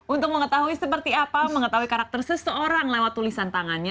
untuk mengetahui seperti apa mengetahui karakter seseorang lewat tulisan tangannya